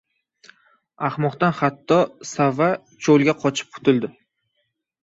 • Ahmoqdan hatto sa’va cho‘lga qochib qutuldi.